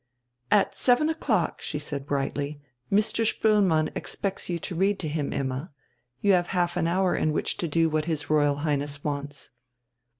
"At seven o'clock," she said brightly, "Mr. Spoelmann expects you to read to him, Imma. You have half an hour in which to do what his Royal Highness wants."